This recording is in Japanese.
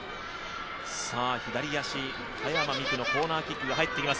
左足、早間美空のコーナーキックが待っています